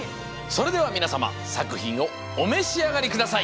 それではみなさまさくひんをおめしあがりください！